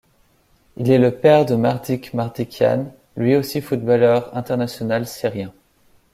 Il est le père de Mardik Mardikian, lui aussi footballeur international syrien.